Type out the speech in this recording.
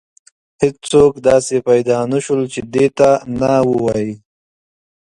هیڅوک داسې پیدا نه شول چې دې ته نه ووایي.